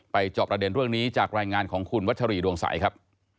จอบประเด็นเรื่องนี้จากรายงานของคุณวัชรีดวงใสครับ